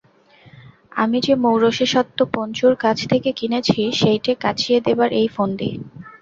আমি যে মৌরসি স্বত্ব পঞ্চুর কাছ থেকে কিনেছি সেইটে কাঁচিয়ে দেবার এই ফন্দি।